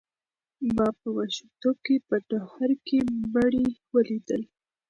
ما په ماشومتوب کې په نهر کې مړي ولیدل.